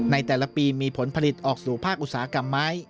ในแต่ละปีมีผลผลิตออกสู่ภาคอุตสาหกรรมไม้